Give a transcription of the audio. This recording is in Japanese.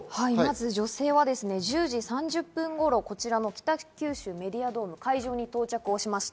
女性は１０時３０分頃、こちらの北九州メディアドーム、会場に到着しました。